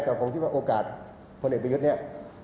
แต่ผมคิดว่าโอกาสพลันติประยุทธ์นี้